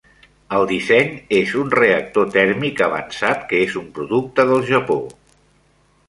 El disseny és un reactor tèrmic avançat, que és un producte del Japó.